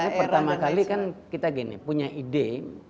technopark ini pertama kali kan kita gini punya ide